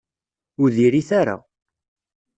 Ur diri-t ara.